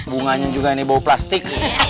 bunganya juga ini bau plastik